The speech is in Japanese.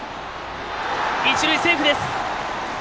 一塁セーフです。